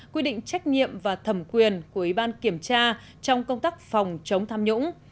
quy định trách nhiệm và thẩm quyền của ủy ban kiểm tra trong công tác phòng chống tham nhũng